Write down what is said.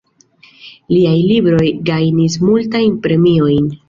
Liaj libroj gajnis multajn premiojn.